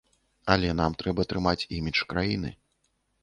Але нам трэба трымаць імідж краіны.